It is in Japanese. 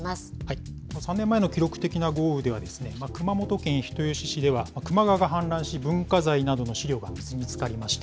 ３年前の記録的な豪雨では、熊本県人吉市では、球磨川が氾濫し、文化財などの資料が水につかりました。